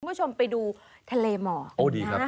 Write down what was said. คุณผู้ชมไปดูทะเลหมอกนะ